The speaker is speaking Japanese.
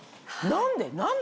何で？